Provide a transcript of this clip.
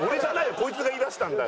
こいつが言い出したんだよ。